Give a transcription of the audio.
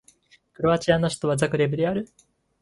クロアチアの首都はザグレブである